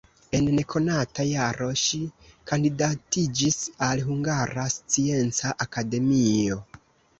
En nekonata jaro ŝi kandidatiĝis al Hungara Scienca Akademio.